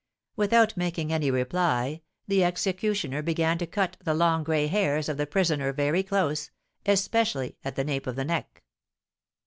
Without making any reply, the executioner began to cut the long gray hairs of the prisoner very close, especially at the nape of the neck.